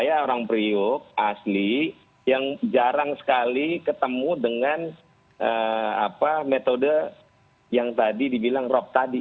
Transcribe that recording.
itu memang priuk asli yang jarang sekali ketemu dengan apa metode yang tadi dibilang rok tadi